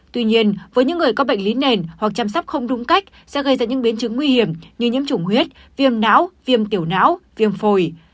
tuy nhiên với những người có bệnh lý nền hoặc chăm sóc không đúng cách sẽ gây ra những biến chứng nguy hiểm như nhiễm chủng huyết viêm não viêm tiểu não viêm phổi